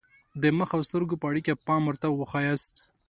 د مخ او سترګو په اړیکه پام ورته وښایاست.